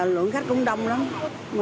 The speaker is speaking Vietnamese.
lượng khách cũng đông lắm